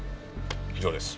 以上です。